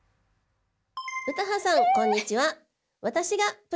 詩羽さんこんにちは。